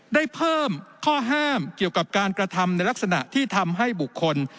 ได้เพิ่มข้อห้ามเกี่ยวกับการกระทำในลักษณะที่ทำให้บุคคล